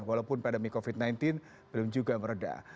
walaupun pandemi covid sembilan belas belum juga meredah